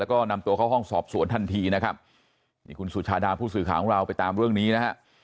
แล้วก็นำตัวเข้าห้องสอบสวนทันทีนะครับนี่คุณสุชาดาผู้สื่อข่าวของเราไปตามเรื่องนี้นะฮะ